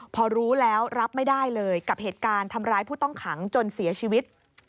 พอรู้แล้วรับไม่ได้เลยกับเหตุการณ์ทำร้ายผู้ต้องขังจนเสียชีวิต